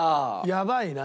やばいな。